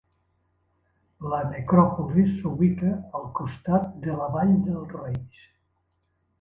La necròpolis s'ubica al costat de la Vall dels Reis.